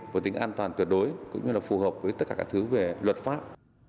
với tính an toàn tuyệt đối cũng như là phù hợp với tất cả các thứ về luật pháp